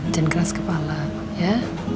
jangan keras kepala ya